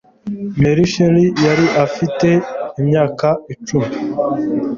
Mary Shelley yari afite imyaka icum